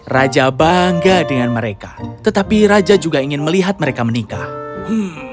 raja bangga dengan mereka tetapi raja juga ingin melihat mereka menikah